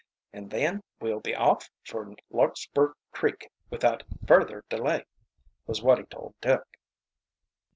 "And then we'll be off for Larkspur Creek without further delay," was what he told Dick.